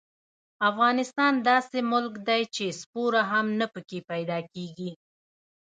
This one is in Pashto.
افغانستان داسې ملک دې چې سپوره هم نه پکې پیدا کېږي.